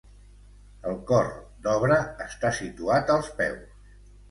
El cor, d'obra, està situat als peus.